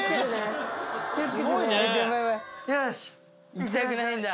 行きたくないんだ。